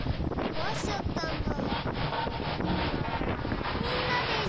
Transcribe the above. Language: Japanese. こわしちゃったんだ。